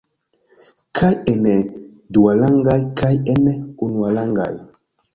Kaj en duarangaj kaj en unuarangaj.